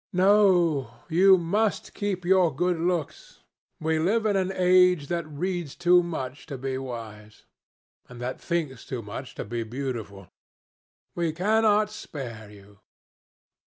No, you must keep your good looks. We live in an age that reads too much to be wise, and that thinks too much to be beautiful. We cannot spare you.